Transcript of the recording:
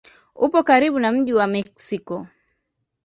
Upo karibu na mji wa Meksiko.